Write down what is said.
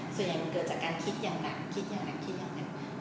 ส่วนใหญ่มันเกิดจากการคิดอย่างหนักคิดอย่างนั้นคิดอย่างนั้น